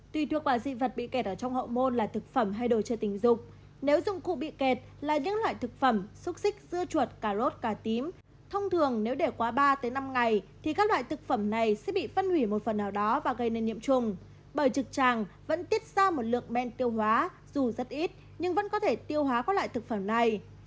tuy thuộc vào dị vật bị kẹt ở trong hậu môn là thực phẩm hay đồ chơi tình dục nếu dùng cụ bị kẹt là những loại thực phẩm xúc xích dưa chuột cà rốt cà tím thông thường nếu để qua ba năm ngày thì các loại thực phẩm này sẽ bị phân hủy một phần nào đó và gây nên nhiễm chủng bởi trực tràng vẫn tiết ra một lượng men tiêu hóa dù rất ít nhưng vẫn có thể tiêu hóa các loại thực phẩm này